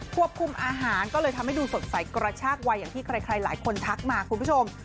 คุมอาหารก็เลยทำให้ดูสดใสกระชากวัยอย่างที่ใครหลายคนทักมาคุณผู้ชม